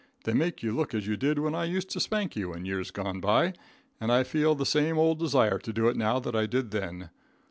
They make you look as you did when I used to spank you in years gone by, and I feel the same old desire to do it now that I did then.